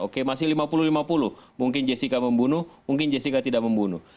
oke masih lima puluh lima puluh mungkin jessica membunuh mungkin jessica tidak membunuh